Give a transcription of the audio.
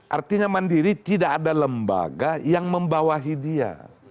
artinya mandiri tidak ada lembaga yang membawahi dia